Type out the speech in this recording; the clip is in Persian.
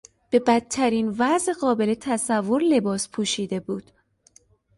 به بدترین وضع قابل تصور لباس پوشیده بود.